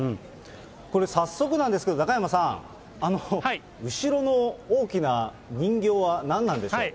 これ、早速なんですけど、中山さん、後ろの大きな人形は何なんでしょう？